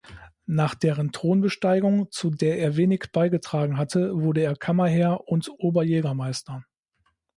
Nach deren Thronbesteigung, zu der er wenig beigetragen hatte, wurde er Kammerherr und Oberjägermeister.